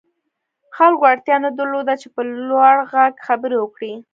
خلکو اړتيا نه درلوده چې په لوړ غږ خبرې وکړي.